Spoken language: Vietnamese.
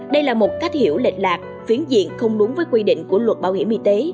đây là một cách hiểu lệch lạc phiến diện không đúng với quy định của luật bảo hiểm y tế